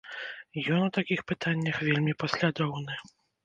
Ён у такіх пытаннях вельмі паслядоўны.